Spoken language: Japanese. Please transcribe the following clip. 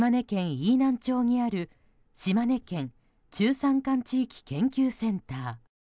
飯南町にある島根県中山間地域研究センター。